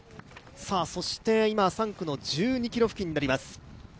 今、３区の１２ｋｍ付近になります